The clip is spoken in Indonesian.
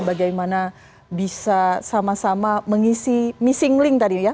bagaimana bisa sama sama mengisi missing link tadi ya